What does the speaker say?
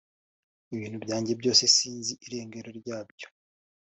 Ibintu byanjye byose sinzi irengero ryabyo